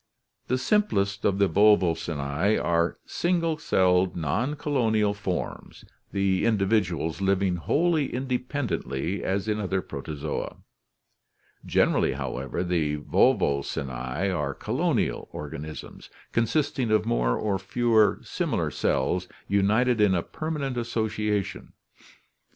— The simplest of the Volvocinte are single celled, non colonial forms, the individuals living wholly independently as in other Protozoa. Generally, however, the Volvocinte are colonial organisms, con sisting of more or fewer similar cells united in a permanent association.